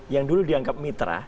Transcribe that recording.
yang dulu dianggap mitra